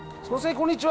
こんにちは。